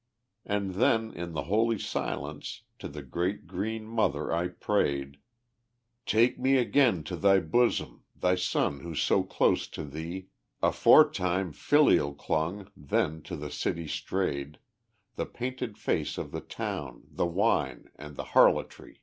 And then, in the holy silence, to the great green mother I prayed: "Take me again to thy bosom, thy son who so close to thee, Aforetime, filial clung, then into the city strayed The painted face of the town, the wine and the harlotry.